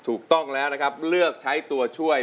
ถูกต้องแล้วนะครับเลือกใช้ตัวช่วย